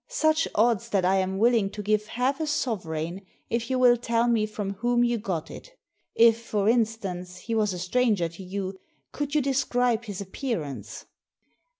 Such odds that I am willing to give half a sovereign if you will tell me from whom you got it If, for instance, he was a stranger to you, could you de scribe his appearance?"